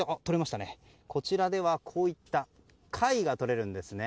こちらではこういった貝がとれるんですね。